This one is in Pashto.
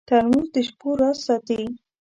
ترموز د شپو راز ساتي.